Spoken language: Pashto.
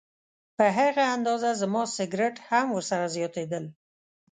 په هغه اندازه زما سګرټ هم ورسره زیاتېدل.